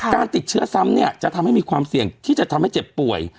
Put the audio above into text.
การติดเชื้อซ้ำเนี่ยจะทำให้มีความเสี่ยงที่จะทำให้เจ็บป่วย